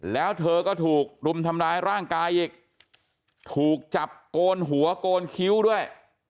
แล้วเธอก็ถูกรุมทำร้ายร่างกายอีกถูกจับโกนหัวโกนคิ้วด้วย